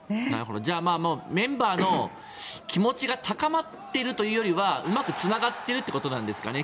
じゃあメンバーの気持ちが高まっているというよりはうまくつながっているということなんですかね。